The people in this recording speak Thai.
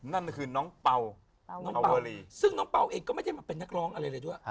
นั่นก็คือน้องเป่าน้องเป่าซึ่งน้องเปล่าเองก็ไม่ได้มาเป็นนักร้องอะไรเลยด้วย